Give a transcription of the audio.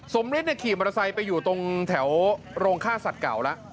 ฤทธิขี่มอเตอร์ไซค์ไปอยู่ตรงแถวโรงฆ่าสัตว์เก่าแล้ว